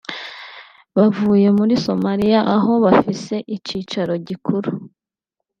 bavuye muri Somalia aho bafise icicaro gikuru